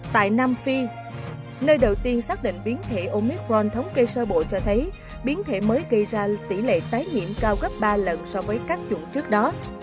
tại nam phi nơi đầu tiên xác định biến thể omitron thống kê sơ bộ cho thấy biến thể mới gây ra tỷ lệ tái nhiễm cao gấp ba lần so với các chủng trước đó